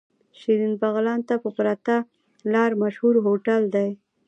شيرين بغلان ته په پرته لاره مشهور هوټل دی.